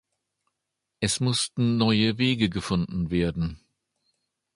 Es mussten neue Wege gefunden werden.